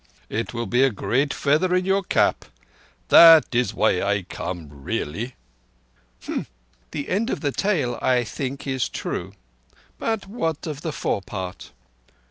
It will be a great feather in your cap. That is why I come really." "Humph! The end of the tale, I think, is true; but what of the fore part?"